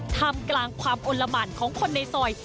ทำกลางความอลละหมานของคนในซอย